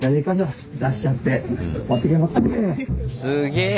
すげえ。